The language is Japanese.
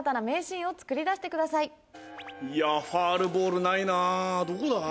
ファウルボールないなどこだ？